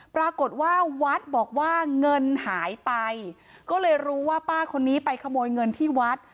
ปรากฏว่าวัดบอกว่าเงินหายไปก็เลยรู้ว่าป้าคนนี้ไปขโมยเงินที่วัด